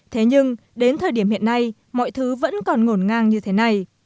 thế nhưng đến thời điểm hiện nay mọi thứ vẫn còn ngổn ngang như thế này